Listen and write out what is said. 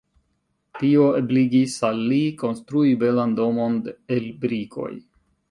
Tio ebligis al li konstrui belan domon el brikoj.